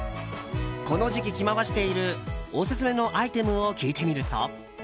この時期、着回しているオススメのアイテムを聞いてみると。